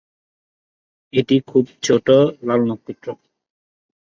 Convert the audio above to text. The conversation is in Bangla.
এটি খুব ছোটো লাল নক্ষত্র।